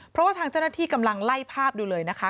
เพราะว่าทางเจ้าหน้าที่กำลังไล่ภาพดูเลยนะคะ